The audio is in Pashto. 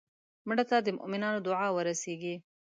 مړه ته د مومنانو دعا ورسېږي